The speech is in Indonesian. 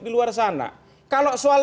di luar sana kalau soal